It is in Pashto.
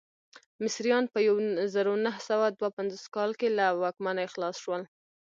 مصریان په یو زرو نهه سوه دوه پنځوس کال کې له واکمنۍ خلاص شول.